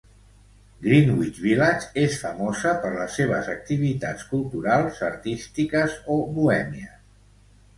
Greenwich Village és famosa per les seves activitats culturals, artístiques o bohèmies.